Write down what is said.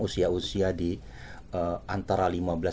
usia usia di antara